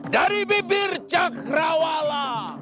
dari bibir cakrawala